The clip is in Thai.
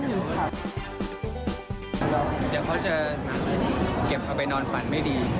เดี๋ยวเขาจะเก็บเอาไปนอนฝันไม่ดี